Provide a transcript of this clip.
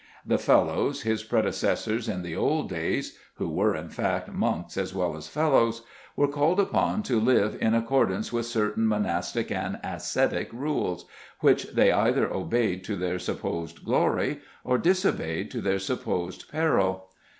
The fellows, his predecessors in the old days, who were, in fact, monks as well as fellows, were called upon to live in accordance with certain monastic and ascetic rules, which they either obeyed to their supposed glory, or disobeyed to their supposed peril.